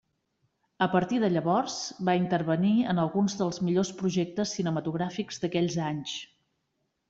A partir de llavors, va intervenir en alguns dels millors projectes cinematogràfics d'aquells anys.